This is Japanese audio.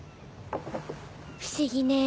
不思議ねぇ。